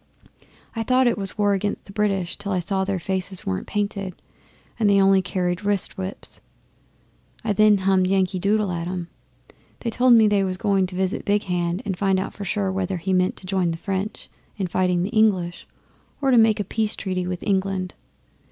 I thought it was war against the British till I saw their faces weren't painted, and they only carried wrist whips. Then I hummed "Yankee Doodle" at 'em. They told me they was going to visit Big Hand and find out for sure whether he meant to join the French in fighting the English or make a peace treaty with England.